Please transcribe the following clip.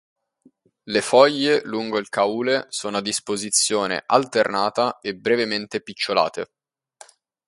Le foglie lungo il caule sono a disposizione alternata e brevemente picciolate.